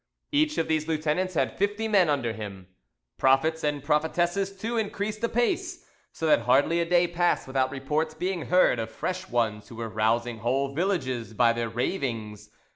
Each of these lieutenants had fifty men under him. Prophets and prophetesses too increased apace, so that hardly a day passed without reports being heard of fresh ones who were rousing whole villages by their ravings.